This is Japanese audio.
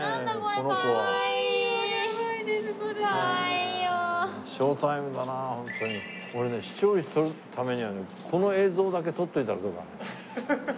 これね視聴率取るためにはねこの映像だけ撮っておいたらどうかね。